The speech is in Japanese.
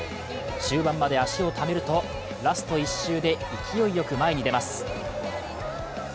終盤まで足をためると、ラスト１周で勢いよく前に出ます。